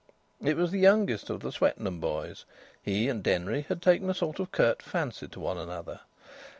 It was the youngest of the Swetnam boys; he and Denry had taken a sort of curt fancy to one another.